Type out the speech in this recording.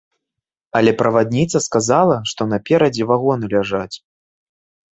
Але правадніца сказала, што наперадзе вагоны ляжаць.